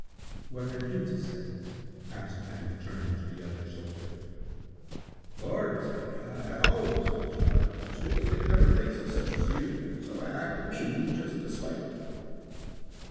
"What have you to say?" asked Mamie, turning to the other soldier. "Lord, Miss Mamie, I allers loved you, but 'stupid Dick' never thinks of such as you, and so I acted mean just to spite!"